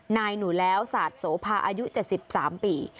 นายหนูแล้วศาสตร์โสภาอายุ๗๓ปี